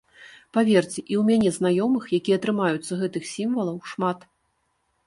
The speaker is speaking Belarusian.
Паверце, і ў мяне знаёмых, якія трымаюцца гэтых сімвалаў, шмат.